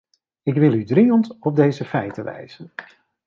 Ik wil u dringend op deze feiten wijzen.